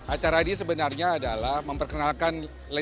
acara ini sebenarnya adalah memperkenalkan